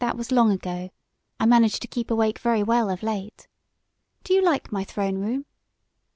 That was long ago. I manage to keep awake very well of late. Do you like my throne room?"